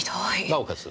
なおかつ